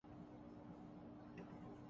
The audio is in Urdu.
وہ کس بحران کا ذکر کرسکتے ہیں؟